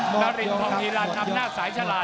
นรินทร์ธรรมีรันดร์อำนาจสายฉลาด